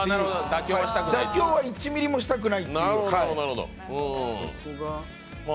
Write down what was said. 妥協は１ミリもしたくないという。